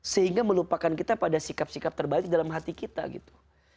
sehingga melupakan kita pada sikap sikap terbaik dalam hati kita gitu